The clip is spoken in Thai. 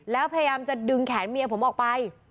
แล้วพยายามจะดึงแขนเมียผมออกไป